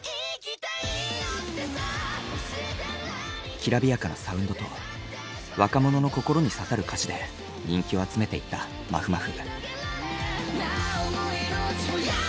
きらびやかなサウンドと若者の心に刺さる歌詞で人気を集めていったまふまふ。